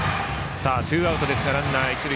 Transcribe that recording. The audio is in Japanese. ツーアウトですがランナー、一塁。